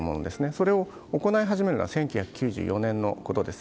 それを行い始めるのは１９９４年のことです。